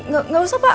gak usah pak